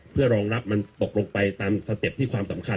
เพื่อรองรับมันตกลงไปตามสเต็ปที่ความสำคัญ